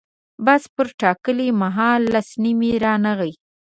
بس پر ټاکلي مهال لس نیمې رانغی.